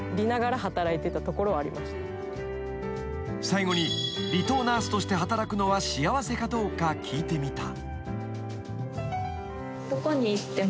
［最後に離島ナースとして働くのは幸せかどうか聞いてみた］